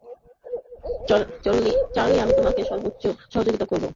Charlie, আমি তোমাকে সর্বোচ্চ সহযোগিতা করবো।